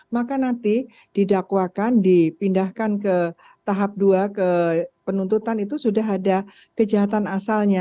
maka nanti didakwakan dipindahkan ke tahap dua ke penuntutan itu sudah ada kejahatan asalnya